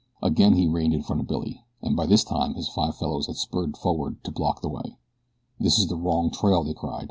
Again he reined in front of Billy, and by this time his five fellows had spurred forward to block the way. "This is the wrong trail," they cried.